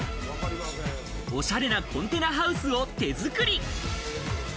おしゃれなコンテナハウスを手づくり。